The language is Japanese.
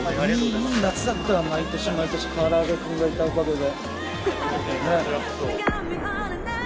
いい夏だったよ毎年毎年から揚げくんがいたおかげで。